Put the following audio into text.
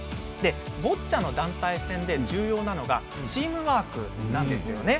ボッチャの団体戦で重要なのがチームワークなんですよね。